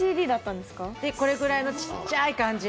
で、これぐらいのちっちゃい感じの。